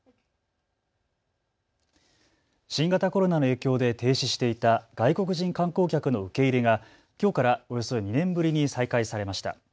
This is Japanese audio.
新型コロナの影響で停止していた外国人観光客の受け入れがきょうからおよそ２年ぶりに再開されました。